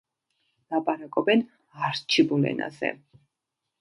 ლაპარაკობენ არჩიბულ ენაზე.